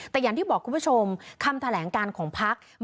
แต่อย่างที่บอกคุณผู้ชมคำแถลงการของพัก